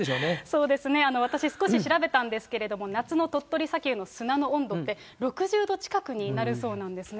そうですね、私、少し調べたんですけれども、夏の鳥取砂丘の砂の温度って、６０度近くになるそうなんですね。